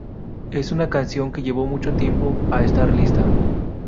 Es una canción que llevó mucho tiempo en estar lista.